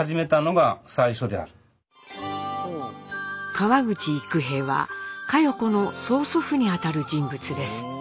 川口幾平は佳代子の曽祖父にあたる人物です。